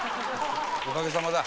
おかげさまだ。